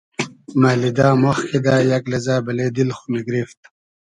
مئلیدۂ ماخ کیدۂ یئگ لئزۂ بئلې دیل خو میگریفت